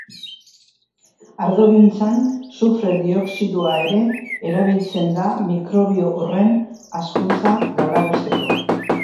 Ardogintzan sufre dioxidoa ere erabiltzen da mikrobio horren hazkuntza galarazteko.